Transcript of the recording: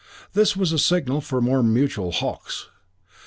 This was a signal for more mutual "Hochs."